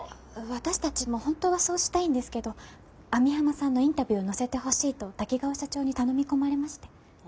私たちも本当はそうしたいんですけど網浜さんのインタビューを載せてほしいと滝川社長に頼み込まれまして。